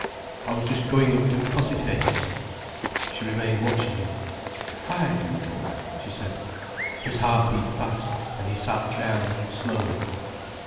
"I was just going up to Cossethay," he said. She remained watching him. "Why do you go?" she said. His heart beat fast, and he sat down, slowly.